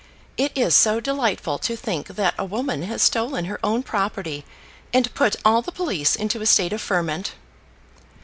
It is so delightful to think that a woman has stolen her own property, and put all the police into a state of ferment."